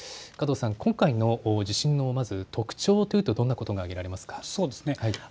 今回の地震の特徴というとどんなことが挙げられますか。